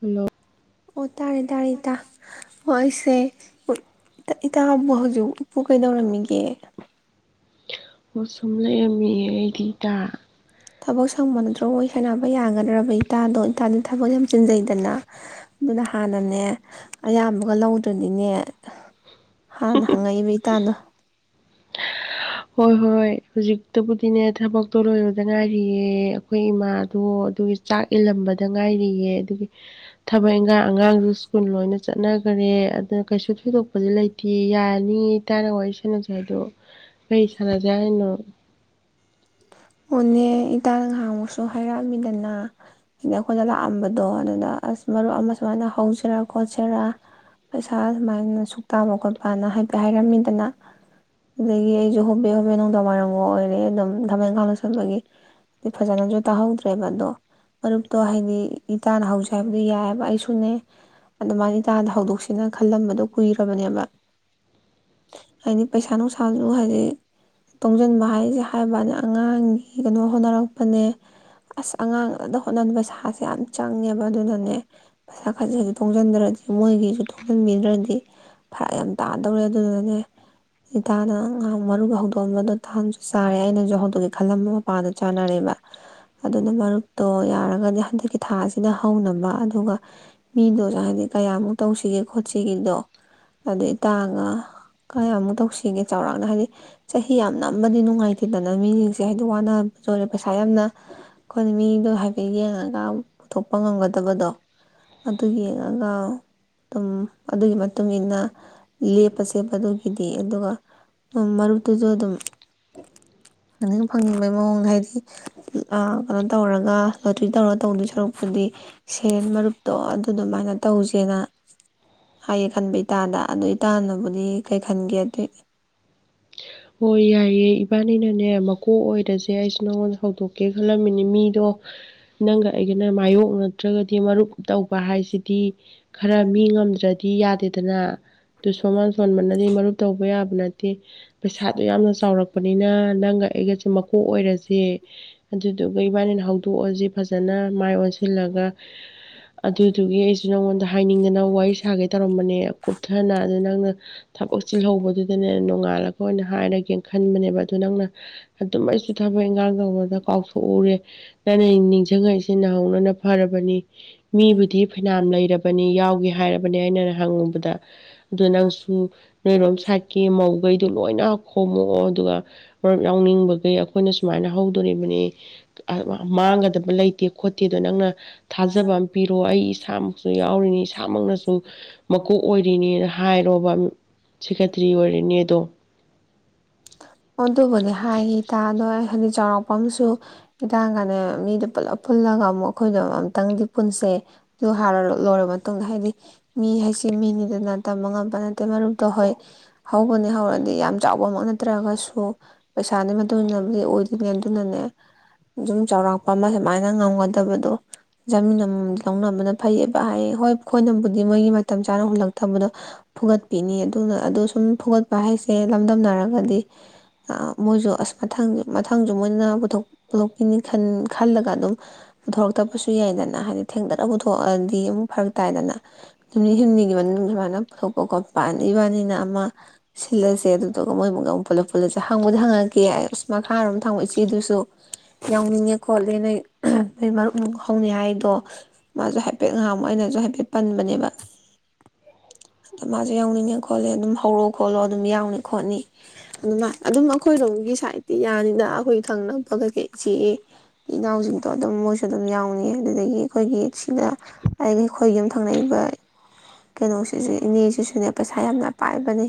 Hello ꯑꯣ ꯇꯥꯔꯦ ꯇꯥꯔꯦ ꯏꯇꯥ ꯑꯣ ꯑꯩꯁꯦ ꯏꯇꯥꯕꯨ ꯍꯧꯖꯤꯛ ꯎꯄꯨ ꯀꯩꯗꯧꯔꯝꯃꯤꯒꯦ ꯑꯣ ꯁꯨꯝ ꯂꯩꯔꯝꯃꯤ ꯑꯩꯗꯤꯗ ꯊꯕꯛ ꯁꯪꯕ ꯅꯠꯇ꯭ꯔꯒꯣꯏ ꯁꯥꯟꯅꯕ ꯌꯥꯒꯗ꯭ꯔꯕ ꯏꯇꯥꯗꯣ ꯏꯇꯥꯗ ꯊꯕꯛ ꯌꯥꯝ ꯆꯤꯟꯖꯩꯗꯅ ꯑꯗꯨꯅ ꯍꯥꯟꯅꯅꯦ ꯑꯌꯥꯝꯕꯒ ꯂꯧꯗ꯭ꯔꯅꯤꯅꯦ ꯇꯇꯥ ꯍꯥꯟꯅ ꯍꯪꯉꯛꯏꯕꯩꯇꯥꯥꯗꯣ ꯍꯣꯏ ꯍꯣꯏ ꯍꯧꯖꯤꯛ ꯇꯕꯨꯗꯤꯅꯦ ꯊꯕꯛꯇꯣ ꯂꯣꯏꯔꯗ ꯉꯥꯏꯔꯤꯌꯦ ꯑꯩꯈꯣꯏ ꯏꯃꯥ ꯑꯗꯣ ꯑꯗꯨꯒꯤ ꯆꯥꯛ ꯏꯜꯂꯝꯕꯗ ꯉꯥꯏꯔꯤꯌꯦ ꯑꯗꯨꯒꯤ ꯊꯕꯛ ꯏꯪꯈꯥꯡ ꯑꯉꯥꯡꯁꯨ ꯁ꯭ꯀꯨꯜ ꯂꯣꯏꯅ ꯆꯠꯅꯈꯔꯦ ꯑꯗꯨ ꯀꯩꯁꯨ ꯊꯣꯏꯗꯣꯛꯄꯗꯤ ꯂꯩꯇꯦ ꯌꯥꯔꯅꯤ ꯇꯥꯏꯅ ꯋꯥꯔꯤ ꯁꯥꯟꯅꯁꯦ ꯍꯥꯏꯗꯣ ꯐꯩ ꯁꯥꯟꯅꯁꯦ ꯍꯥꯏꯅꯣ ꯑꯣꯅꯦ ꯏꯇꯥꯅ ꯉꯍꯥꯡꯃꯨꯛꯁꯨ ꯍꯥꯏꯔꯛꯑꯃꯤꯗꯅ ꯏꯈꯣꯏꯖꯂ ꯑꯝꯕꯗꯣ ꯑꯗ ꯑꯁ ꯃꯔꯨꯞ ꯑꯃ ꯁꯨꯃꯥꯏꯅ ꯍꯧꯁꯤꯔꯥ ꯈꯣꯠꯁꯤꯔꯥ ꯄꯩꯁꯥ ꯁꯨꯃꯥꯏꯅ ꯁꯨꯛ ꯇꯥꯕ ꯈꯣꯠꯄꯅ ꯍꯥꯏꯐꯦꯠ ꯍꯥꯏꯔꯝꯃꯤꯗꯅ ꯑꯗꯒꯤ ꯑꯩꯁꯨ ꯍꯣꯕꯦ ꯍꯣꯕꯦ ꯅꯨꯡꯗꯥꯡ ꯋꯥꯏꯔꯝꯒ ꯑꯣꯏꯔꯦ ꯑꯗꯨꯝ ꯊꯃꯜꯈꯥꯡ ꯕꯒꯤ ꯐꯖꯅꯁꯨ ꯇꯥꯍꯧꯗ꯭ꯔꯦꯕ ꯑꯗꯣ ꯃꯔꯨꯞꯇꯣ ꯍꯥꯏꯗꯤ ꯏꯇꯥꯅ ꯍꯧꯁꯦ ꯍꯥꯏꯕꯗꯨ ꯌꯥꯏꯑꯕ ꯑꯩꯁꯨ ꯁꯅꯦ ꯑꯗꯨꯃꯥꯏꯅ ꯇꯥꯗ ꯍꯧꯗꯣꯛꯁꯤꯅ ꯈꯜꯂꯝꯕꯗꯣ ꯀꯨꯏꯔꯕꯅꯦꯕ ꯍꯥꯏꯗꯤ ꯄꯩꯁꯥ ꯅꯨꯡꯁꯥꯁꯨ ꯍꯥꯏꯗꯤ ꯇꯣꯡꯁꯤꯟꯕ ꯍꯥꯏꯁꯦ ꯍꯥꯏꯕꯅꯤ ꯑꯉꯥꯡ ꯑꯩ ꯀꯩꯅꯣ ꯍꯣꯠꯅꯔꯛꯄꯅꯦ ꯑꯁ ꯑꯉꯥꯡ ꯐꯅ ꯍꯣꯠꯅꯟꯅꯕ ꯁꯥꯁꯦ ꯌꯥꯝ ꯆꯪꯉꯦꯕ ꯑꯗꯨꯅꯅꯦ ꯄꯩꯁꯥ ꯈꯖꯤꯁꯨ ꯊꯣꯡꯁꯤꯟꯗ꯭ꯔꯗꯤ ꯃꯣꯏꯒꯤꯁꯨ ꯊꯣꯡꯖꯟꯕꯤꯗ꯭ꯔꯗꯤ ꯐꯔꯥ ꯌꯥꯝ ꯇꯥꯗꯧꯔꯦ ꯑꯗꯨꯅꯅꯦꯇꯥꯥꯗꯅ ꯉꯥꯏꯍꯥꯛ ꯃꯔꯨꯒ ꯍꯧꯗꯣꯛꯑꯝꯕꯗꯣ ꯇꯍꯥꯟꯁꯨ ꯆꯥꯔꯦ ꯑꯩꯅꯁꯨ ꯍꯧꯗꯣꯛ ꯃꯈꯜ ꯑꯃ ꯃꯄꯥꯥꯟꯗ ꯆꯥꯅꯔꯦꯕ ꯑꯗꯨꯅ ꯃꯔꯨꯞꯇꯣ ꯌꯥꯔꯒꯗꯤ ꯍꯟꯗꯛꯀꯤ ꯊꯥꯁꯤꯅ ꯍꯧꯅꯕ ꯑꯗꯨꯒ ꯃꯤꯗꯁꯨ ꯍꯥꯏꯗꯤ ꯀꯌꯥꯃꯨꯛ ꯇꯧꯁꯤꯒꯦ ꯈꯣꯠꯁꯤꯒꯦꯗꯣ ꯑꯗꯨꯗ ꯏꯇꯥꯒ ꯀꯌꯥꯃꯨꯛ ꯇꯧꯁꯤꯒꯦ ꯆꯥꯎꯔꯥꯛꯅ ꯍꯥꯏꯗꯤ ꯆꯍꯤ ꯌꯥꯝ ꯅꯝꯕꯗꯤ ꯅꯨꯡꯉꯥꯏꯇꯦꯗꯅ ꯃꯤꯁꯤꯡꯁ ꯦ ꯍꯥꯏꯗꯤ ꯋꯥꯅꯕꯁꯨ ꯑꯣꯏꯔꯦ ꯄꯩꯁꯥ ꯌꯥꯝꯅ ꯑꯩꯈꯣꯏꯅ ꯃꯤꯗꯣ ꯍꯥꯏꯐꯦꯠ ꯌꯦꯡꯉꯒ ꯄꯨꯊꯣꯛꯄ ꯉꯝꯒꯗꯕꯗꯣ ꯑꯗꯨ ꯌꯦꯡꯉꯒ ꯑꯗꯨꯝ ꯑꯗꯨꯒꯤ ꯃꯇꯨꯡ ꯏ ꯃꯇꯨꯡꯏꯟꯅ ꯂꯦꯞꯄ ꯆꯦꯄ ꯑꯗꯨꯒꯤꯗꯤ ꯑꯗꯨꯒ ꯃꯔꯨꯞꯇꯨꯁꯨ ꯑꯗꯨꯝ ꯑꯅꯤꯡ ꯐꯪꯅꯤꯡꯕꯩ ꯃꯑꯣꯡꯗ ꯍꯥꯏꯗꯤ ꯀꯩꯅꯣ ꯇꯧꯔꯒ ꯂꯣꯇ꯭ꯔꯤ ꯇꯧꯔꯒ ꯇꯧꯗꯣꯏ ꯁꯔꯨꯛꯄꯨꯗꯤ ꯁꯦꯜ ꯃꯔꯨꯞꯇꯣ ꯑꯗꯨ ꯑꯗꯨꯃꯥꯏꯅ ꯇꯧꯁꯦꯅ ꯍꯥꯏꯌꯦ ꯈꯟꯕ ꯏꯇꯥꯗ ꯑꯗꯨ ꯏꯇꯥꯅꯕꯨꯗꯤ ꯀꯩ ꯈꯟꯒꯦ ꯑꯗꯨꯏ ꯑꯣ ꯌꯥꯏꯌꯦ ꯏꯕꯥꯅꯤ ꯅꯅꯦ ꯑꯃꯨꯛ ꯀꯣꯛ ꯑꯣꯏꯔꯁꯦ ꯑꯩꯁꯨ ꯅꯪꯉꯣꯟꯗ ꯍꯧꯗꯣꯛꯀꯦ ꯈꯜꯂꯝꯃꯤꯅꯤ ꯃꯤꯗꯣ ꯅꯪꯒ ꯑꯩꯒꯅ ꯃꯥꯌꯣꯛꯅ ꯅꯠꯇ꯭ꯔꯒꯗꯤ ꯃꯔꯨꯞ ꯇꯧꯕ ꯍꯥꯏꯁꯤꯗꯤ ꯈꯔ ꯃꯤ ꯉꯝꯗ꯭ꯔꯗꯤ ꯌꯥꯗꯦꯗꯅ ꯑꯗꯨ ꯁꯣꯟꯃꯥꯟ ꯁꯣꯟꯕꯅꯗꯤ ꯃꯔꯨꯞ ꯇꯧꯕ ꯌꯥꯕ ꯅꯠꯇꯦ ꯄꯩꯁꯥꯗꯣ ꯌꯥꯝꯅ ꯆꯥꯎꯔꯛꯄꯅꯤꯅ ꯅꯪꯒ ꯑꯩꯒꯁꯨꯦ ꯃꯀꯣꯛ ꯑꯣꯏꯔꯁꯦ ꯑꯗꯨꯗꯨꯒ ꯏꯕꯥꯅꯤꯅ ꯍꯧꯗꯣꯛꯑꯁꯦ ꯐꯖꯅ ꯃꯥꯏ ꯑꯣꯟꯁꯤꯜꯂꯒ ꯑꯗꯨꯗꯨꯒꯤ ꯑꯩꯁꯨ ꯅꯉꯣꯟꯗ ꯍꯥꯏꯅꯤꯡꯗꯅ ꯋꯥꯔꯤ ꯁꯥꯒꯦ ꯇꯧꯔꯝꯕꯅꯦ ꯀꯨꯞꯊꯅ ꯑꯗꯨ ꯅꯪꯅ ꯊꯕꯛ ꯆꯤꯜꯍꯧꯕꯗꯨꯗꯅꯦ ꯅꯣꯡꯉꯥꯜꯛꯄ ꯑꯩꯈꯣꯏꯅ ꯍꯥꯏꯔꯒꯦꯅ ꯈꯟꯕꯅꯦꯕ ꯑꯗꯨ ꯅꯪꯅ ꯑꯗꯨꯝ ꯑꯩꯁꯨ ꯊꯕꯛ ꯏꯪꯈꯥꯡ ꯇꯧꯕꯗ ꯀꯥꯎꯊꯣꯛꯎꯔꯦ ꯇ ꯅꯤꯡꯁꯤꯡꯉꯥꯏꯁꯤꯦ ꯁꯤ ꯅꯍꯧꯅꯅ ꯐꯔꯕꯅꯤ ꯃꯤꯕꯨꯗꯤ ꯐꯩꯅꯥꯝ ꯂꯩꯔꯕꯅꯤ ꯌꯥꯎꯒꯦ ꯍꯥꯏꯔꯕꯅꯦ ꯑꯩꯅ ꯍꯪꯉꯨꯕꯗ ꯑꯗꯨ ꯅꯪꯁꯨ ꯅꯣꯏꯔꯣꯝ ꯁꯥꯥꯏꯠꯀꯤ ꯃꯧꯈꯩ ꯈꯣꯝꯃꯛꯣꯛꯑꯣ ꯑꯗꯨꯒ ꯃꯔꯨꯞ ꯌꯥꯎꯅꯤꯡꯕꯒꯤ ꯀ ꯑꯩꯈꯣꯏꯅ ꯁꯨꯃꯥꯏꯅ ꯍꯧꯗꯣꯔꯤꯕꯅꯤ ꯃꯥꯡꯒꯗꯕ ꯂꯩꯇꯦ ꯀꯤꯗꯣ ꯅꯪꯅ ꯊꯥꯖꯕ ꯑꯃ ꯄꯤꯔꯣ ꯑꯩ ꯏꯁꯥꯃꯛꯁꯨ ꯌꯥꯎꯔꯤꯅꯤ ꯏꯁꯥꯃꯛꯅꯁꯨ ꯃꯀꯣꯛ ꯑꯣꯏꯔꯤꯅꯦꯅ ꯍꯥꯏꯔꯣꯕ ꯁꯦꯀꯦꯇ꯭꯭ꯔꯤ ꯑꯣꯏꯔꯤꯅꯦꯗꯣ ꯑꯗꯨꯕꯨꯗꯤ ꯍꯥꯢꯌꯦ ꯏꯇꯥ ꯑꯗꯣ ꯑꯩ ꯑꯩ ꯍꯥꯏꯗꯤ ꯆꯥꯎꯔꯥꯛꯄꯃꯁꯨ ꯏꯇꯥꯅꯅꯦ ꯃꯤꯗꯣ ꯄꯨꯂꯞ ꯄꯨꯜꯂꯒ ꯑꯃꯨꯛ ꯑꯩꯈꯣꯏꯗ ꯑꯃꯨꯛꯇꯪꯗꯤ ꯄꯨꯟꯁꯦ ꯑꯗꯨ ꯍꯥꯢꯔ ꯂꯣꯏꯔꯕ ꯃꯇꯨꯡꯗ ꯍꯥꯏꯗꯤ ꯃꯤ ꯍꯥꯏꯁꯦ ꯃꯤꯅꯤꯗꯅ ꯇꯝꯕ ꯉꯝꯕ ꯅꯠꯇꯦ ꯃꯔꯨꯞꯇꯣ ꯍꯣꯏ ꯍꯧꯕꯨꯗꯤ ꯍꯧꯔꯗꯤ ꯌꯥꯝ ꯆꯥꯎꯕꯃꯛ ꯅꯠ ꯅꯠꯇ꯭ꯔꯒꯁꯨ ꯄꯩꯁꯥꯗꯨ ꯃꯇꯨꯡ ꯏꯟꯅ ꯃꯤ ꯑꯣꯏꯗꯨꯏꯅꯤ ꯑꯗꯨꯅꯅꯦ ꯖꯨꯝ ꯆꯧꯔꯥꯛꯄ ꯑꯃ ꯁꯨꯝꯃꯥꯢꯅ ꯉꯝꯒꯗꯕꯗꯣ ꯖꯃꯤꯟ ꯑꯃꯃꯝ ꯂꯧꯅꯕꯅ ꯐꯩꯌꯦꯕ ꯍꯥꯏ ꯍꯣꯏ ꯑꯩꯈꯣꯏꯅꯕꯨꯗꯤ ꯃꯣꯏꯒꯤ ꯃꯇꯝ ꯆꯥꯅ ꯍꯨꯜꯂꯛꯇꯕꯗꯨ ꯐꯨꯈꯠꯄꯤꯅꯤ ꯑꯗꯨꯅ ꯑꯗꯨꯅ ꯁꯨꯝ ꯐꯨꯒꯠꯄ ꯍꯥꯏꯁꯦ ꯂꯝꯗꯝꯅꯔꯛ ꯍꯥꯏꯗꯤ ꯑ ꯃꯣꯏꯁꯨ ꯑꯁ ꯃꯊꯪ ꯃꯊꯪꯁꯨ ꯃꯣꯏꯅ ꯄꯨꯊꯣꯛ ꯄꯨꯂꯞꯀꯤꯅꯤ ꯈꯜ ꯈꯜꯂꯒ ꯑꯗꯨꯝ ꯄꯨꯊꯣꯔꯛꯇꯕꯁꯨ ꯌꯥꯏꯗꯅ ꯍꯥꯏꯗꯤ ꯊꯦꯡꯗꯛꯅ ꯄꯨꯊꯣꯛꯑꯗꯤ ꯑꯃꯨꯛ ꯐꯔꯛ ꯇꯥꯏꯗꯅ ꯅꯨꯃꯤꯠ ꯍꯨꯝꯅꯤꯒꯤ ꯃꯅꯨꯡꯗ ꯁꯨꯃꯥꯏꯅ ꯄꯨꯊꯣꯛꯄ ꯈꯣꯠꯄ ꯍꯥꯢꯅ ꯏꯕꯥꯅꯤꯅ ꯑꯃ ꯁꯤꯜꯂꯁꯦ ꯑꯗꯨꯗꯨ ꯃꯣꯏ ꯑꯃꯨꯛ ꯌꯥꯎꯅ ꯄꯨꯂꯞ ꯄꯨꯜꯂꯁꯦ ꯍꯪꯕꯗꯤ ꯍꯪꯉꯛꯀꯦ ꯑꯁ ꯃꯈꯥꯔꯣꯝ ꯊꯪꯕ ꯏꯆꯦꯗꯨꯁꯨ ꯌꯥꯎꯅꯤꯡꯉꯦ ꯈꯣꯠꯂꯦ ꯅꯣꯏ ꯅ ꯑꯍꯝ ꯃꯔꯨꯞ ꯅꯨꯡ ꯍꯧꯅꯤ ꯍꯥꯏꯗꯣ ꯃꯥꯁꯨ ꯍꯥꯏꯐꯦꯠ ꯉꯍꯥꯟꯃꯨꯛ ꯑꯩꯅꯁꯨ ꯍꯥꯏꯐꯦꯠ ꯄꯟꯕꯅꯦꯕ ꯑꯗꯣ ꯃꯥꯖꯨ ꯌꯥꯎꯅꯤꯡꯉꯦ ꯈꯣꯠꯂꯦ ꯑꯗꯨꯝ ꯍꯧꯔꯣ ꯈꯣꯠꯂꯣ ꯑꯗꯨꯝ ꯌꯥꯎꯅꯤ ꯈꯣꯠꯅꯤ ꯑꯗꯨ [unintelligible] ꯑꯗꯨꯝ ꯑꯩꯈꯣꯏꯔꯣꯝꯒꯤ ꯁꯥꯏꯠꯇꯤ ꯌꯥꯅꯤꯗ ꯑꯩꯈꯣꯏ ꯈꯪꯅ ꯑꯗꯨꯒꯤ ꯏꯆꯦꯒꯤ ꯏꯅꯥꯎꯖꯤꯡꯗꯣ ꯑꯗꯨꯝ ꯃꯣꯏꯁꯨ ꯑꯗꯨꯝ ꯌꯥꯎꯅꯤ ꯑꯗꯨꯗꯒꯤ ꯑꯩꯈꯣꯏꯒꯤ ꯁꯤꯗ ꯑꯩ ꯑꯩꯈꯣꯏ ꯌꯨꯝ ꯊꯪꯅꯩꯕ ꯀꯩꯅꯣꯁꯤꯖꯦ ꯏꯅꯦꯁꯤꯁꯨꯅꯦ ꯄꯩꯁꯥ ꯌꯥꯝꯅ ꯄꯥꯏꯕꯅꯤ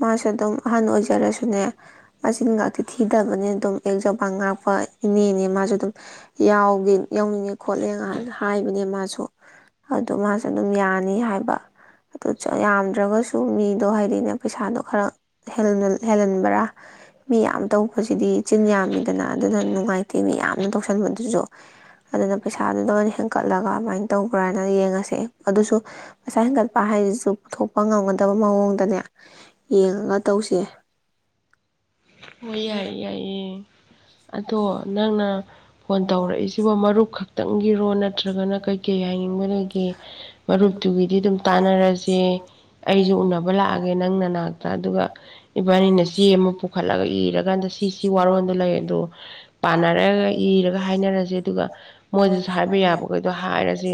ꯃꯥꯁꯨ ꯑꯗꯨꯝ ꯑꯍꯟ ꯑꯣꯏꯖꯔꯁꯨꯅꯦ ꯃꯆꯤꯟꯒꯇꯤ ꯊꯤꯗꯕꯅꯦ ꯑꯗꯨꯝ ꯑꯦꯛ ꯖꯣꯕꯥꯟ ꯉꯥꯛꯄ ꯏꯅꯦꯅꯦ ꯃꯥꯁꯨ ꯑꯗꯨꯝ ꯌꯥꯎꯒꯦ ꯌꯥꯎꯅꯤꯡꯉꯦ ꯈꯣꯠꯂꯦ ꯉꯍꯥꯟ ꯍꯥꯏꯕꯅꯦ ꯃꯥꯁꯨ ꯑꯗꯨ ꯃꯥꯁꯨ ꯑꯗꯨꯝ ꯌꯥꯅꯤ ꯍꯥꯏꯕ ꯑꯗꯨ ꯌꯥꯝꯗ꯭ꯔꯒꯁꯨ ꯃꯤꯗꯣ ꯍꯥꯏꯗꯤꯅꯦ ꯄꯩꯁꯥꯗꯣ ꯈꯔ ꯍꯦꯜꯂꯟ ꯍꯦꯜꯂꯟꯕꯔꯥ ꯃꯤ ꯌꯥꯝ ꯇꯧꯕꯁꯤꯗꯤ ꯆꯤꯟꯌꯥꯝ ꯃꯤꯗꯅ ꯑꯗꯨꯗ ꯅꯨꯡꯉꯥꯏꯇꯦ ꯃꯤ ꯌꯥꯝꯅ ꯇꯧꯁꯟꯕꯗꯨꯁꯨ ꯑꯗꯨꯅ ꯄꯩꯁꯥꯗꯨ ꯍꯦꯟꯒꯠꯂꯒ ꯑꯗꯨꯃꯥꯏꯅ ꯇꯧꯕ꯭ꯔꯥꯅ ꯌꯦꯡꯉꯁꯦ ꯑꯗꯨꯁꯨ ꯄꯩꯁꯥ ꯍꯦꯟꯒꯠꯄ ꯍꯥꯏꯖꯤꯁꯨ ꯄꯨꯊꯣꯛꯄ ꯉꯝꯒꯗꯕ ꯃꯑꯣꯗꯅꯦ ꯌꯦꯡꯉ ꯇꯧꯁꯦ ꯍꯣꯢ ꯌꯥꯏꯌꯦ ꯌꯥꯏꯌꯦ ꯑꯗꯣ ꯅꯪꯅ ꯐꯣꯟ ꯇꯧꯔꯛꯏꯁꯤꯕꯣ ꯃꯔꯨꯞ ꯈꯛꯇꯪꯒꯤꯔꯣ ꯅꯠꯇ꯭ꯔꯒꯅ ꯀꯩꯀꯩ ꯍꯥꯏꯅꯤꯡꯕ ꯂꯩꯒꯦ ꯃꯔꯨꯞꯇꯨꯒꯤꯗꯤ ꯑꯗꯨꯝ ꯇꯥꯟꯅꯔꯁꯦ ꯑꯩꯖꯨ ꯎꯅꯕ ꯂꯥꯛꯑ ꯒꯦ ꯅꯪ ꯅꯅꯥꯛꯇ ꯑꯗꯨꯒ ꯏꯕꯥꯅꯤꯅ ꯆꯦ ꯑꯃ ꯄꯨ ꯐꯠꯂꯒ ꯏꯔꯀꯥꯟꯗ ꯁꯤ ꯁꯤꯁꯤ ꯋꯥꯔꯣꯟꯗꯣ ꯂꯩꯌꯦꯗꯣ ꯄꯥꯅꯔꯒ ꯄꯥꯔꯂꯔꯗꯒ ꯏꯔꯒ ꯍꯥꯏꯅꯔꯁꯦ ꯑꯗꯨꯒ [inaudible] ꯃꯣꯏꯗꯤ ꯃꯣꯏꯗꯁꯨ ꯍꯥꯏꯕ ꯁꯥꯕ ꯌꯥꯏ ꯌꯥꯕꯈꯩꯗꯣ ꯍꯥꯏꯔꯖꯤ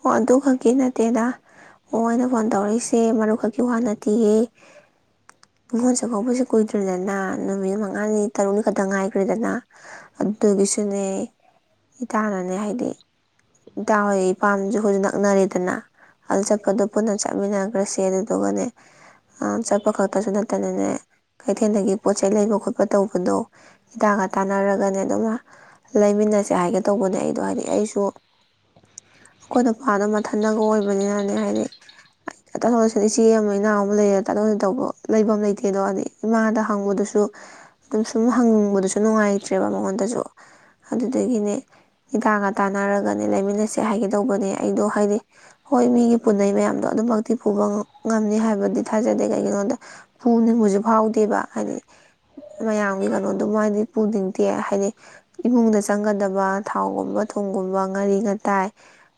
ꯍꯣ ꯑꯗꯨ ꯈꯛꯀꯤ ꯅꯠꯇꯦꯗ ꯑꯣ ꯑꯩꯅ ꯐꯣꯟ ꯇꯧꯔꯛꯏꯁꯦ ꯃꯔꯨꯞ ꯈꯛꯀꯤ ꯋꯥ ꯅꯠꯇꯤꯌꯦ ꯅꯤꯡꯉꯣꯜ ꯆꯥꯛꯀꯧꯕꯁꯤ ꯀꯨꯏꯗ꯭ꯔꯦꯗꯅ ꯅꯨꯃꯤꯠ ꯃꯉꯥꯅꯤ ꯇꯔꯨꯛꯅꯤ ꯈꯛ ꯉꯥꯏꯈ꯭ꯔꯦꯗꯅ ꯑꯗꯨꯒꯤꯁꯨꯅꯦ ꯏꯇꯥꯅꯅꯦ ꯍꯥꯏꯗꯤ ꯏꯇꯥ ꯍꯣꯏ ꯏꯄꯥꯝꯁꯨ ꯑꯩꯈꯣꯢꯖꯨ ꯅꯛꯅꯔꯦꯗꯅ ꯑꯗꯨ ꯆꯠꯄꯗꯣ ꯄꯨꯟꯅ ꯆꯠꯃꯤꯟꯅꯈ꯭ꯔꯁꯦ ꯑꯗꯨꯗꯨꯒꯅꯦ ꯑꯥ ꯆꯠꯄ ꯈꯛ ꯇꯁꯨ ꯅꯠꯇꯅꯅꯦ ꯀꯩꯊꯦꯜꯗꯒꯤ ꯄꯣꯠ ꯆꯩ ꯂꯩꯕ ꯈꯣꯠꯄ ꯇꯧꯕꯗꯣ ꯏꯇꯥꯒ ꯇꯥꯟꯅꯔꯒꯅꯦ ꯑꯗꯨꯝ ꯂꯩꯃꯤꯟꯅꯁꯦ ꯍꯥꯏꯒꯦ ꯇꯧꯕꯅꯦ ꯑꯩꯗꯣ ꯍꯥꯏꯗꯤ ꯑꯩꯁꯨ ꯑꯩꯈꯣꯏ ꯅꯨꯄꯥꯗꯣ ꯃꯊꯟꯗꯒ ꯑꯣꯏꯕꯅꯤꯅꯅꯦ ꯍꯥꯏꯗꯤ ꯇꯥꯊꯣꯛ ꯇꯥꯁꯤꯟꯒꯤ ꯏꯆꯦ ꯑꯃ ꯏꯅꯥꯎ ꯑꯃ ꯂꯩꯔ ꯇꯥꯊꯣꯛ ꯇꯥꯁꯤꯟ ꯇꯧꯕ ꯂꯩꯕꯝ ꯂꯩꯇꯦꯗꯣ ꯑꯗꯩ ꯏꯃꯥꯗ ꯍꯪꯕꯗꯨꯁꯨ ꯑꯗꯨꯝ ꯁꯨꯝ ꯍꯪꯕꯗꯁꯨ ꯅꯨꯡꯉꯥꯏꯇ꯭ꯔꯦꯕ ꯃꯉꯣꯟꯗꯖꯨ ꯑꯗꯨꯗꯒꯤꯅꯦ ꯏꯇꯥꯒ ꯇꯥꯟꯅꯔꯒꯅꯦ ꯂꯩꯃꯤꯟꯅꯁꯦ ꯍꯥꯏꯒꯦꯗꯧꯕꯅꯦ ꯑꯩꯗꯣ ꯍꯥꯏꯗꯤ ꯍꯣꯏ ꯃꯤꯒꯤ ꯄꯨꯟꯅꯩ ꯃꯌꯥꯝꯗꯣ ꯑꯗꯨꯝꯃꯛꯇꯤ ꯄꯨꯕ ꯉꯝ ꯉꯝꯅꯤ ꯍꯥꯏꯕꯗꯤ ꯊꯥꯖꯗꯦ ꯀꯩꯒꯤꯅꯣꯗ ꯄꯨꯅꯤꯡꯕꯁꯨ ꯐꯥꯎꯗꯦꯕ ꯍꯥꯏꯗꯤ ꯃꯌꯥꯝꯒꯤ ꯀꯅꯣꯗꯨꯃꯛꯗꯤ ꯄꯨꯅꯤꯡꯗꯦ ꯍꯥꯏꯗꯤ ꯏꯃꯨꯡꯗ ꯆꯪꯒꯗꯕ ꯊꯥꯎꯒꯨꯝꯕ ꯊꯨꯝꯒꯨꯝꯕ ꯉꯥꯔꯤ ꯉꯥꯇꯥꯏ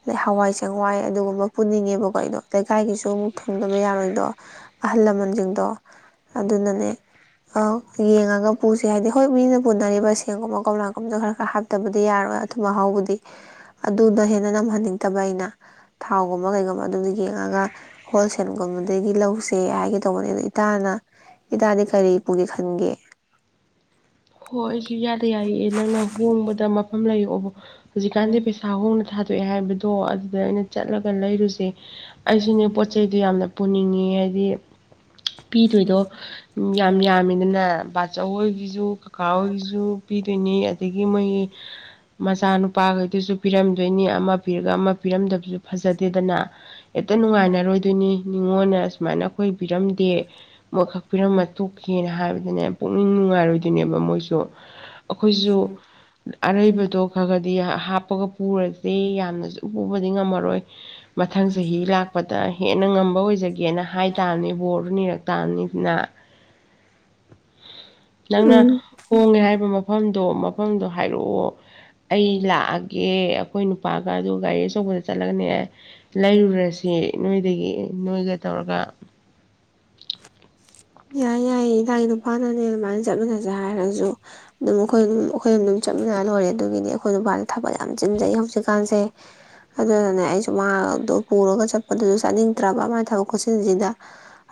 ꯑꯗꯩ ꯍꯋꯥꯏ ꯆꯦꯡꯋꯥꯏ ꯑꯗꯨꯒꯨꯝꯕ ꯄꯨꯅꯤꯡꯉꯦꯕꯀꯣ ꯑꯩꯗꯣ ꯂꯩꯀꯥꯏꯒꯤꯁꯨ ꯑꯃꯨꯛ ꯊꯨꯡꯗꯕ ꯌꯥꯔꯣꯏꯗꯣ ꯑꯍꯜ ꯂꯃꯟꯖꯤꯡ ꯗꯣ ꯑꯗꯨꯅꯅꯦ ꯑꯧ ꯌꯦꯡꯉꯒ ꯄꯨꯁꯦ ꯍꯥꯏꯗꯤ ꯍꯣꯏ ꯃꯤꯅ ꯄꯨꯅꯔꯤꯕ ꯁꯦꯝꯒꯨꯝꯕ ꯀꯣꯝꯂꯥꯒꯨꯝꯕꯁꯨ ꯈꯔ- ꯈꯔ ꯍꯥꯞꯇꯕꯗꯤ ꯌꯥꯔꯣꯏ ꯑꯊꯨꯝ ꯑꯍꯥꯎꯕꯨꯗꯤ ꯑꯗꯨꯗ ꯍꯦꯟꯅ ꯅꯝꯍꯟꯅꯤꯡ ꯇꯕ ꯑꯩꯅ ꯊꯥꯎꯒꯨꯝꯕ ꯀꯩꯒꯨꯝꯕ ꯑꯗꯨꯝ ꯌꯦꯡꯉꯒ ꯍꯣꯜꯁꯦꯜꯒꯨꯝꯕꯗꯒꯤ ꯂꯧꯁꯦ ꯍꯥꯏꯒꯦ ꯇꯧꯕꯅꯦ ꯑ ꯏꯇꯥꯅ ꯏꯇꯥꯗꯤ ꯀꯔꯤ ꯄꯨꯒꯦ ꯈꯟꯒꯦ? ꯍꯣꯏ ꯑꯩꯁꯨ ꯏꯌꯥꯗ - ꯌꯥꯏꯌꯦ ꯅꯪꯅ ꯍꯣꯡꯕꯗ ꯃꯐꯝ ꯂꯩ ꯑꯣ ꯍꯨꯖꯤꯀꯥꯟꯗꯤ ꯄꯩꯁꯥ ꯍꯣꯡ ꯅꯥ ꯊꯥꯗ ꯑꯦ ꯍꯥꯏꯕꯗꯣ ꯑꯗꯨꯗ ꯑꯩꯅ ꯆꯠꯂꯒ ꯂꯩꯔꯨꯁꯦ꯫ ꯑꯩꯁꯤꯅꯦ ꯄꯣꯠ ꯆꯩꯩꯗꯤ ꯌꯥꯝꯅ ꯄꯨꯅꯤꯡꯉꯤ ꯍꯥꯏꯗꯤ ꯄꯤꯗꯣꯏꯗꯣ ꯌꯥꯝ ꯌꯥꯝꯃꯤꯗꯅ ꯕ ꯆꯧ ꯍꯣꯏꯒꯤꯁꯨ ꯀꯥ ꯍꯣꯏ ꯒꯤꯁꯨ ꯄꯤꯗꯣꯏꯅꯤ꯫ ꯗꯒꯤ ꯃꯣꯏ ꯃꯁꯥꯅꯨ ꯄꯥꯒꯩꯒꯤꯁꯨ ꯄꯤꯔꯝꯗꯣꯏꯅꯤ ꯑꯃ ꯄꯤꯔꯒ ꯑꯃ ꯄꯤꯔꯝꯗꯕꯁꯨ ꯐꯖꯗꯦꯗꯅ ꯍꯦꯛꯇ ꯅꯨꯡꯉꯥꯏꯅꯔꯣꯏꯗꯣꯏꯅꯤ꯫ ꯅꯤꯉꯣꯟꯅ ꯁꯨꯃꯥꯏꯅ ꯑꯩꯈꯣꯏ ꯄꯤꯔꯝꯗꯦ ꯃꯣꯏꯈꯛ ꯄꯤꯔꯝꯃ ꯇꯣꯛ ꯈꯤꯅꯥ ꯍꯥꯏꯕꯗ ꯄꯨꯨꯡꯅꯤꯡ ꯅꯨꯡꯉꯏ ꯔꯣꯏꯗꯣꯏꯅꯦ ꯃꯣꯏꯁꯨ ꯑꯩꯈꯣꯏꯁꯨ ꯑꯔꯩꯕꯗꯣ ꯈꯔ ꯈꯗꯤ ꯍꯥꯞ [inaudible] ꯄꯨꯔꯗꯤꯦ ꯌꯥꯝꯅꯁꯨ ꯄꯨꯕꯗꯤ ꯉꯝꯃꯔꯣꯏ ꯃꯊꯪ ꯆꯍꯤ ꯂꯥꯛꯄꯗ ꯍꯦꯟꯅ ꯉꯝꯕ ꯑꯣꯏꯖꯒꯦꯅ ꯍꯥꯏ ꯇꯥꯕꯅꯤ ꯕꯣꯔꯗꯨ ꯅꯤꯔꯛ ꯇꯥꯕꯅꯤ ꯅ ꯅꯪꯅ ꯎꯝ ꯍꯣꯡꯉꯦ ꯍꯥꯏꯕ ꯃꯐꯝꯗꯣ ꯃꯐꯝꯗꯣ ꯍꯥꯏꯔꯛꯑꯣ ꯑꯩ ꯂꯥꯛꯑꯒꯦ ꯑꯩꯈꯣꯏ ꯅꯨꯄꯥꯒ ꯑꯗꯨ ꯒꯥꯔꯤ ꯑꯆꯧꯕꯗ ꯆꯠꯂꯒꯅꯦ ꯂꯩꯔꯨꯔꯁꯤ ꯅꯣꯏꯗꯒꯤ ꯅꯣꯏꯒ ꯇꯧꯔꯒ ꯌꯥꯏ ꯌꯥꯏꯌꯦ ꯏꯅꯥ ꯅꯨꯄꯥꯅꯅꯦ ꯑꯗꯨꯃꯥꯏꯅ ꯆꯠꯃꯤꯟꯅꯁꯦ ꯍꯥꯏꯔꯁꯨ ꯑꯗꯨꯝ ꯑꯩꯈꯣꯏ ꯑꯗꯨꯝ ꯑꯩꯈꯣꯏ ꯑꯗꯨꯝ ꯆꯞꯃꯤꯟꯅ ꯂꯣꯏꯔꯦ ꯑꯗꯨꯒꯤꯗꯤ ꯑꯩꯈꯣꯏ ꯕꯥꯔꯗ ꯊꯕꯛ ꯌꯥꯝ ꯆꯤꯟꯖꯩ ꯍꯧꯖꯤꯛꯀꯥꯟꯁꯦ ꯑꯗꯨꯗꯨꯅꯦ ꯑꯩꯁꯨ ꯃꯥ ꯑꯗꯣ ꯄꯨꯔꯒ ꯆꯠꯄꯗꯨꯁꯨ ꯆꯥꯅꯤꯡꯗ꯭ꯔꯕ ꯃꯥꯏ ꯊꯕꯛ ꯈꯣꯠꯆꯤꯟꯁꯤꯗ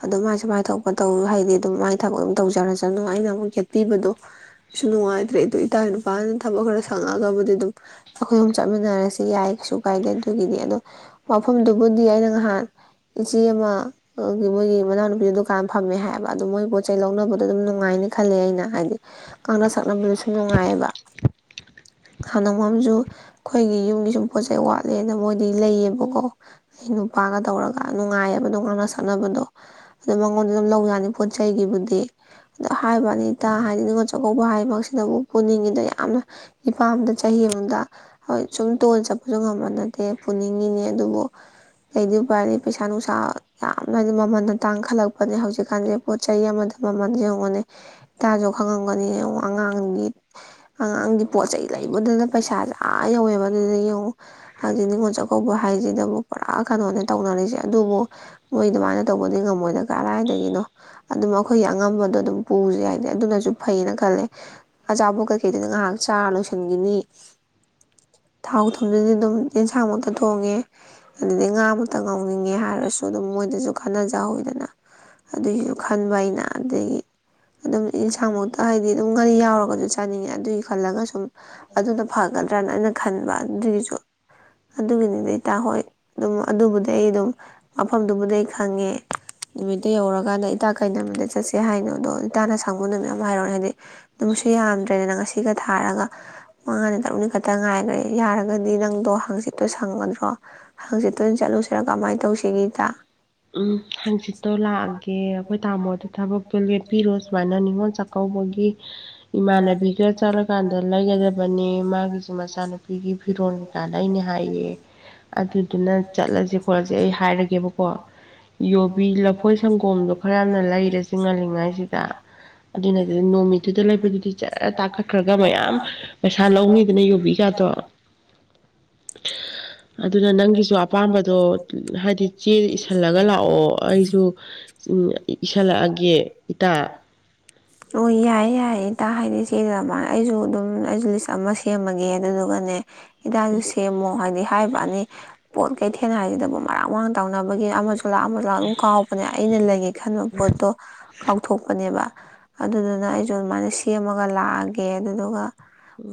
ꯑꯗꯨ ꯃꯥꯏ ꯁꯨꯃꯥꯏꯅ ꯊꯄ ꯇꯧ ꯍꯥꯏꯗꯤ ꯑꯗꯨꯝ ꯃꯥꯏ ꯊꯕꯛ ꯑꯗꯨꯝ ꯇꯧꯖꯔꯁꯅꯨ ꯑꯩꯅ ꯑꯃꯨꯛ ꯌꯦꯦꯠꯄꯤꯕꯗꯣ ꯁꯨ ꯅꯨꯡꯉꯥꯏꯇ꯭ꯔꯦ ꯑꯗꯨ ꯏ ꯇꯥꯏꯅꯣ ꯐꯅ ꯊꯕꯛ ꯈꯔ ꯁꯪꯉꯛꯑꯒꯕꯨꯗꯤ ꯑꯗꯨꯝ ꯑꯩꯈꯣꯏ ꯑꯝ ꯆꯠꯃꯤꯟꯅꯔꯁꯤꯦ ꯁꯤ ꯌꯥꯏ ꯀꯩꯁꯨ ꯀꯥꯏꯗꯂꯦꯟ ꯑꯗꯨꯒꯤꯗꯤ ꯑꯗꯣ ꯋꯥꯐꯝꯗꯨꯕꯨꯗꯤ ꯑꯩꯅ ꯉꯥꯏꯍꯥꯟ ꯏꯆꯦ ꯑꯃ ꯃꯣꯏꯒꯤ ꯃꯅꯥꯎꯅꯨꯄꯤꯗ ꯐꯝꯃꯦ ꯍꯥꯏꯕ ꯑꯗꯣ ꯃꯣꯏ ꯄꯣꯠ ꯆꯩ ꯂꯧꯅꯕꯗꯣ ꯑꯗꯨꯝ ꯅꯨꯡꯉꯥꯏꯅ ꯈꯜꯂꯦ ꯑꯩꯅ ꯍꯥꯏꯗꯤ ꯀꯅ ꯁꯛꯅꯕꯗꯨꯁꯨ ꯅꯨꯡꯉꯥꯏꯌꯦꯕ ꯍꯥꯟꯅꯉꯝꯁꯨ ꯑꯩꯈꯣꯏꯒꯤ ꯌꯨꯝꯒꯤ ꯁꯨꯝ ꯄꯣꯠ ꯆꯩꯩ ꯋꯥꯠꯂꯦꯅ ꯃꯣꯏꯗꯤ ꯂꯩꯌꯦꯕꯀꯣ ꯑꯩ ꯅꯨꯄꯥꯒ ꯇꯧꯔꯒ ꯅꯨꯡꯉꯥꯏꯌꯦꯕ ꯅꯣꯉꯥꯟꯅ ꯁꯛꯅꯕꯗꯣ ꯑꯗꯨꯗ ꯃꯉꯣꯟꯗ ꯑꯗꯨꯝ ꯂꯧ ꯌꯥꯅꯤ ꯄꯣꯠ ꯆꯩꯒꯤꯕꯨꯗꯤ ꯑꯗꯣ ꯍꯥꯏꯕꯅꯤ ꯏꯇꯥ ꯍꯥꯏꯗꯤ ꯅꯤꯉꯣꯜ ꯆꯥꯛꯀꯧꯕ ꯍꯥꯏꯃꯛꯁꯤꯗꯕꯨ ꯄꯨꯅꯤꯡꯉꯤꯗ ꯌꯥꯝꯅ ꯏꯄꯥꯝꯗ ꯆꯍꯤ ꯑꯃꯗ ꯍ ꯁꯨꯝ ꯇꯣꯟꯜ ꯆꯠꯄꯁꯨ ꯉꯝꯕ ꯅꯠꯇꯦ ꯄꯨꯅꯤꯡꯉꯤꯅꯦ ꯑꯗꯨꯕꯨ ꯀꯩꯗꯤ ꯎꯄꯥꯏꯔꯗꯤ ꯄꯩꯁꯥ ꯅꯨꯡꯁꯥ ꯌꯥꯝꯅ ꯍꯥꯏꯗꯤ ꯃꯃꯜꯗ ꯇꯥꯡꯈꯠꯂꯛꯄꯅꯦ ꯍꯧꯖꯤꯛꯀꯥꯟꯁꯦ ꯄꯣꯠ ꯆꯩ ꯑꯃꯗ ꯃꯃꯜ ꯌꯦꯡꯉꯅꯤ ꯏꯇꯥꯁꯨ ꯈꯪꯉꯝꯒꯅꯤ ꯌꯦꯡꯉ ꯑꯉꯥꯡꯒꯤ ꯑꯉꯥꯡꯒꯤ ꯂꯩꯕꯗꯨꯅ ꯄꯩꯁꯥꯖꯥ ꯌꯧꯋꯦꯕ ꯑꯗꯨꯅ ꯌꯦꯡꯉꯣ ꯍꯪꯆꯤ ꯅꯤꯉꯣꯜ ꯆꯥꯛꯀꯧꯕ ꯍꯥꯏꯁꯤꯦꯗꯕꯨ ꯄꯨꯔꯥ ꯀꯩꯅꯣꯅꯦ ꯇꯧꯅꯔꯤꯁꯦ ꯑꯗꯨꯕꯨ ꯃꯣꯏ ꯑꯗꯨꯃꯥꯏꯅ ꯇꯧꯕꯗꯤ ꯉꯝꯃꯣꯏꯗ ꯀꯗꯥꯥꯏꯏꯗꯒꯤꯅꯣ ꯑꯗꯨꯝ ꯑꯩꯈꯣꯏꯒꯤ ꯑꯉꯝꯕꯗꯣ ꯑꯗꯨꯝ ꯄꯨꯁꯦ ꯍꯥꯏꯗꯤꯦ ꯑꯗꯨꯅꯁꯨ ꯐꯩꯅ ꯈꯜꯂꯦ ꯑꯆꯥꯄꯣꯠ ꯀꯩꯀꯩꯗꯨꯅ ꯉꯥꯏꯍꯥꯛ ꯆꯥꯔ ꯂꯣꯏꯁꯤꯟꯈꯤꯅꯤ ꯊꯥꯎ ꯊꯨꯝꯗꯨꯗꯤ ꯑꯗꯨꯝ ꯑꯦꯟꯁꯥꯡꯃꯛꯇ ꯊꯣꯡꯉꯦ ꯑꯗꯨꯗꯒꯤꯩ ꯉꯥꯃꯛꯇ ꯉꯥꯎꯅꯤꯡꯉꯦ ꯍꯥꯏꯔꯁꯨ ꯑꯗꯨꯝ ꯃꯣꯏꯗꯁꯨ ꯀꯥꯟꯅꯖꯍꯧꯤꯗꯅ ꯑꯗꯨꯒꯤꯁꯨ ꯈꯟꯕ ꯑꯩꯅ ꯑꯗꯒꯤ ꯑꯗꯨꯝ ꯌꯦꯟꯁꯥꯡꯃꯛꯇ ꯍꯥꯏꯗꯤ ꯑꯗꯨꯝ ꯉꯒꯥꯔꯤ ꯌꯥꯎꯔꯒꯁꯨ ꯆꯥꯅꯤꯡꯉꯦ ꯑꯗꯨꯒꯤꯁꯨ ꯐꯜꯂꯒ ꯁꯣ ꯑꯗꯨꯅ ꯐꯒꯗ꯭ꯔꯅ ꯑꯩꯅ ꯈꯟꯕ ꯑꯗꯨꯒꯤꯁꯨ ꯑꯗꯨꯒꯤꯅꯤꯗꯤꯇꯥ ꯍꯣꯏ ꯑꯗꯨꯝ ꯑꯗꯨꯕꯨꯗꯤ ꯑꯩ ꯑꯗꯨꯝ ꯃꯐꯝꯗꯨꯕꯨꯗꯤ ꯑꯩ ꯈꯪꯉꯦ ꯅꯨꯃꯤꯠꯇ ꯌꯧꯔꯀꯥꯟꯗ ꯏꯇꯥ ꯀꯩꯅ ꯅꯨꯃꯤꯗ ꯆꯠꯁꯦ ꯍꯥꯏꯅꯣ ꯑꯗꯣ ꯏꯇꯥꯅ ꯁꯪꯒ ꯅꯨꯃꯤꯠ ꯑꯃ ꯍꯥꯏꯔꯛꯦ ꯍꯥꯏꯗꯤ ꯑꯗꯨꯪꯁꯨ ꯌꯥꯝꯗ꯭ꯔꯦꯅꯪ ꯉꯁꯤ ꯁꯤꯒ ꯊꯥꯔꯒ ꯃꯉꯥꯅꯤ ꯇꯔꯨꯛꯅꯤ ꯈꯛꯇ ꯉꯥꯏꯈ꯭ꯔꯦ ꯌꯥꯔꯒꯗꯤ ꯅꯪꯗꯣ ꯍꯥꯡꯆꯤꯠꯇꯣ ꯁꯪꯒꯗ꯭ꯔꯣ ꯍꯥꯡꯆꯤꯠꯇꯨ ꯑꯣꯏꯅ ꯆꯠꯂꯨꯁꯤꯔꯥ ꯀꯃꯥꯏꯅ ꯇꯧꯁꯤꯒꯗ ꯎꯝ ꯍꯥꯡꯆꯤꯠꯇꯣ ꯂꯥꯛꯑꯒꯦ ꯑꯩꯈꯣꯏ ꯇꯥꯃꯣꯗ ꯊꯕꯛꯇꯣ ꯂꯦꯞꯄꯤꯔꯣ ꯁꯨꯃꯥꯏꯅ ꯅꯤꯉꯣꯜ ꯆꯥꯛꯀꯧꯕꯒꯤ ꯏꯃꯥꯟꯅꯕꯤꯒ ꯆꯠꯂꯀꯥꯟꯗ ꯂꯩꯒꯗꯕꯅꯦ ꯃꯥꯒꯤꯁꯨꯦ ꯃꯆꯥꯅꯨꯄꯤꯒꯤ ꯐꯤꯔꯣꯜꯒꯤꯀꯥꯟꯗ ꯑꯩꯅ ꯍꯥꯏꯌꯦ ꯑꯗꯨꯗꯨꯅ ꯆꯠꯂꯁꯦ ꯈꯣꯠꯂꯁꯦ ꯑꯩ ꯍꯥꯏꯔꯒꯦꯕꯀꯣ ꯌꯣꯕꯤ ꯂꯐꯣꯏ ꯁꯪꯒꯣꯝꯗꯣ ꯈꯔ ꯌꯥꯝꯅ ꯂꯩꯔꯦ ꯆꯤꯡ ꯉꯜꯂꯤꯉꯥꯏꯁꯤꯗ ꯑꯗꯨꯅ ꯑꯗꯨꯗ ꯅꯨꯃꯤꯠꯇꯨꯗ ꯂꯩꯕꯗꯨꯗꯤ ꯖꯔ ꯇꯥꯛꯈꯠꯈ꯭ꯔꯒ ꯃꯌꯥꯝ ꯄꯩꯁꯥ ꯂꯧꯅꯤꯗꯅ ꯌꯧꯕꯕꯤꯒꯗꯣ ꯑꯗꯨꯅ ꯅꯪꯒꯤꯁꯨ ꯑꯄꯥꯝꯕꯗꯣ ꯍꯥꯏꯗꯤ ꯆꯦ ꯜꯂꯒ ꯂꯥꯛꯑꯣ ꯑꯩꯁꯨ ꯏꯁꯤꯜꯂꯛꯑꯒꯦ ꯏꯇꯥ ꯑꯣ ꯏ ꯌꯥꯏꯑ ꯌꯥꯌꯦ ꯏꯇꯥ ꯍꯥꯏꯅꯤ ꯁꯤꯗꯥꯏꯅ ꯑꯩꯁꯨ ꯑꯗꯨꯝ ꯑꯩꯁꯨ ꯂꯤꯁ ꯑꯃ ꯁꯦꯝꯃꯒꯦ ꯑꯗꯨꯗꯨꯒꯅꯦ ꯍꯤꯗꯥꯁꯨ ꯁꯦꯝꯃꯣ ꯍꯥꯏꯗꯤ ꯍꯥꯏꯕ ꯑꯅꯤ ꯄꯣꯠ ꯀꯩꯊꯦꯡꯅ ꯍꯥꯏꯔꯤꯁꯤꯗꯕꯨ ꯃꯔꯥꯡ ꯃꯔꯥꯡꯅ ꯇꯧꯅꯕꯒꯤ ꯑꯃꯁꯨꯡ ꯄꯣꯂꯥꯛ ꯄꯂꯥꯛ ꯑꯗꯨꯝ ꯀꯥꯎꯕꯅꯦ ꯑꯩꯅ ꯂꯩꯒꯦ ꯈꯟꯕ ꯄꯣꯠꯇꯣ ꯀꯥꯎꯊꯣꯛꯄꯅꯦꯕ ꯑꯗꯨꯗꯨꯅ ꯑꯩꯁꯨ ꯃꯥꯅꯁꯤ ꯁꯦꯝꯃꯒ ꯂꯥꯛꯑꯒꯦ ꯑꯗꯨꯗꯨꯒ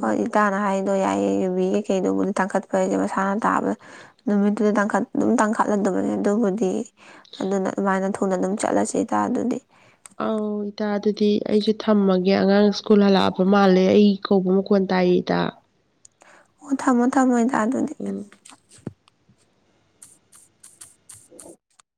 ꯍ ꯏ ꯇꯅ ꯍꯥꯏ ꯑꯗꯣ ꯌꯥꯏꯌꯦ ꯌꯨꯕꯤ ꯀꯩꯀꯩꯗꯨꯕꯨꯗꯤ ꯇꯥꯡꯈꯠꯄ ꯍꯥꯏꯁꯦ ꯃꯁꯥꯅ ꯇꯥꯕꯗ ꯅꯨꯃꯤꯠꯇꯨꯗ ꯇꯥꯡꯈꯠ ꯑꯗꯨꯝ ꯇꯥꯡꯈꯠꯂꯗꯕꯅꯤꯅ ꯗꯨꯕꯨꯗꯤ ꯑꯗꯨꯅ ꯑꯗꯨꯃꯥꯏꯅ ꯊꯨꯅ ꯑꯗꯨꯝ ꯆꯠꯂꯁꯤꯗ ꯑꯗꯨꯗꯤ ꯑꯧ ꯏꯇꯥ ꯑꯗꯨꯗꯤ ꯑꯩꯁꯨ ꯊꯝꯃꯥꯒꯦ ꯑꯉꯥꯡ ꯁꯀꯨꯜ ꯍꯥꯂꯞ ꯄ ꯃꯥꯜꯂꯦ ꯑꯩ ꯀꯧꯕ ꯃꯈꯣꯟ ꯇꯥꯏꯌꯦ ꯏꯇꯥ ꯑꯣ ꯊꯝꯃꯣ ꯊꯝꯃꯣ ꯑꯣꯏ ꯇꯥ ꯑꯗꯨꯗꯤ ꯎꯝ